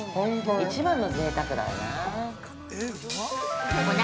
一番のぜいたくだよな。